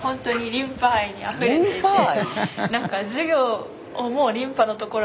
リンパ愛？